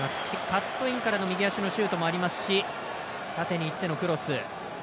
カットインからの右足のシュートもありますし縦に行ってのクロス。